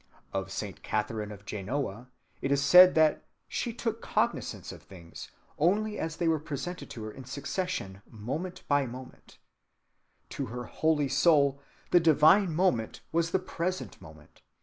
Of Saint Catharine of Genoa it is said that "she took cognizance of things, only as they were presented to her in succession, moment by moment." To her holy soul, "the divine moment was the present moment